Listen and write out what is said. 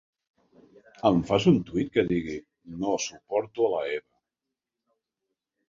Em fas un tuit que digui "no suporto a l'Eva"?